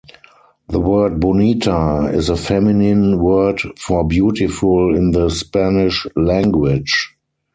The word "Bonita" is a feminine word for "beautiful" in the Spanish language.